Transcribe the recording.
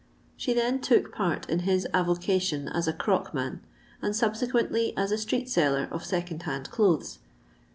She then took part in his avocation as a crockmnn, and subsequently as a street seller of second hand clothes.